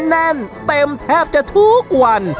แน่นเต็มแทบจะทุกวัน